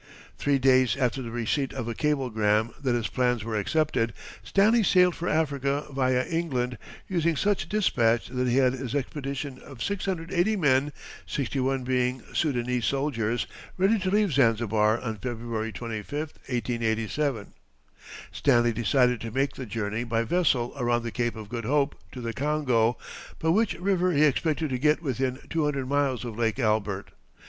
Three days after the receipt of a cablegram that his plans were accepted, Stanley sailed for Africa via England, using such despatch that he had his expedition of 680 men, 61 being Soudanese soldiers, ready to leave Zanzibar on February 25, 1887. Stanley decided to make the journey by vessel around the Cape of Good Hope to the Congo, by which river he expected to get within 200 miles of Lake Albert.